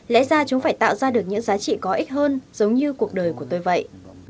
lẽ ra chúng phải tạo ra được những giá trị có ích hơn giống như cuộc đời của tôi vậy